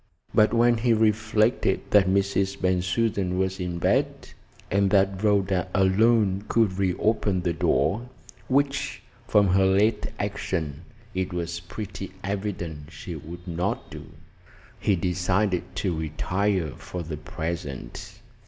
But when he reflected that Mrs. Bensusan was in bed, and that Rhoda alone could reopen the door which from her late action it was pretty evident she would not do he decided to retire for the present.